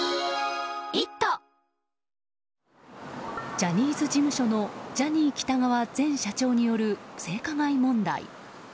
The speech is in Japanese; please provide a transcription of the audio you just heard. ジャニーズ事務所のジャニー喜多川前社長による性加害問題。